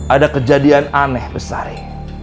ada kejadian aneh pesari